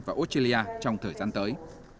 và australia trong thời gian tới